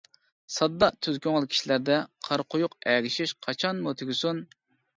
ساددا، تۈز كۆڭۈل كىشىلەردە قارا قويۇق ئەگىشىش قاچانمۇ تۈگىسۇن؟ !